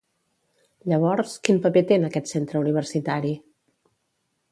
Llavors, quin paper té en aquest centre universitari?